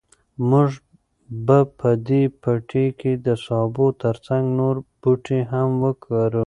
موږ به په دې پټي کې د سابو تر څنګ نور بوټي هم وکرو.